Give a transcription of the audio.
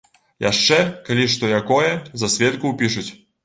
Яшчэ, калі што якое, за сведку ўпішуць.